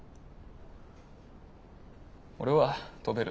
俺は飛べる。